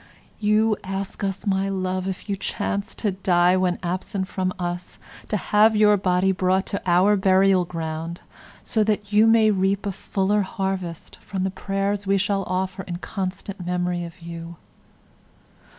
You ask us, my love, if you chance to die when absent from us, to have your body brought to our burial ground so that you may reap a fuller harvest from the prayers we shall offer in constant memory of you.